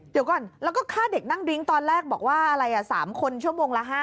เดี๋ยวก่อนแล้วก็ฆ่าเด็กนั่งดริ้งตอนแรกบอกว่าอะไร๓คนชั่วโมงละ๕๐